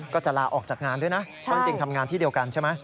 ก็จะลาออกจากงานด้วยนะเพราะจริงทำงานที่เดียวกันใช่ไหม